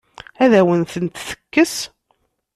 Ad awen-tent-tekkes?